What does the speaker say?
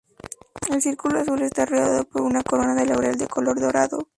El círculo azul está rodeado por una corona de laurel de color dorado.